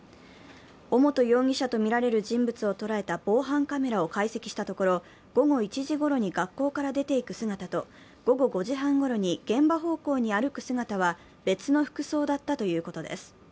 尾本容疑者とみられる人物を捉えた防犯カメラを解析したところ、午後１時ごろに学校を出ていく姿と午後５時半ごろに現場方向に歩く姿は別の服装だったということです。